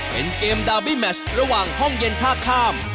เป็นเกมดาวบี้แมชระหว่างห้องเย็นท่าข้าม